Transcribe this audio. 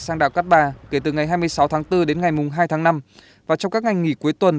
sang đảo cát bà kể từ ngày hai mươi sáu tháng bốn đến ngày hai tháng năm và trong các ngày nghỉ cuối tuần